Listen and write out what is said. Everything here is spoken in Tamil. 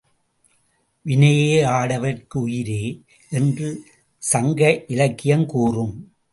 வினையே ஆடவர்க்கு உயிரே! என்று சங்க இலக்கியம் கூறும்.